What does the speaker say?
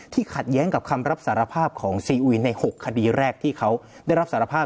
ขัดแย้งกับคำรับสารภาพของซีอุยใน๖คดีแรกที่เขาได้รับสารภาพ